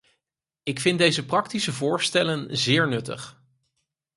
Ik vind deze praktische voorstellen zeer nuttig.